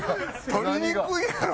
撮りにくいやろ。